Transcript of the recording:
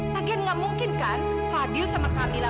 lagian gak mungkin kan fadil sama kamilah